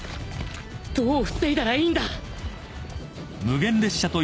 どう防いだらいいんだ